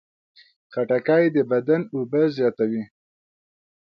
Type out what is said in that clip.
خټکی د بدن اوبه زیاتوي.